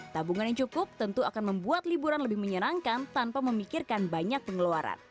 tabungan yang cukup tentu akan membuat liburan lebih menyenangkan tanpa memikirkan banyak pengeluaran